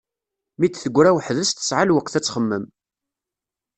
Mi d-teggra weḥds tesɛa lweqt ad txemmem.